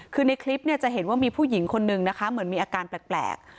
คือในคลิปเนี่ยจะเห็นว่ามีผู้หญิงคนนึงนะคะเหมือนมีอาการแปลก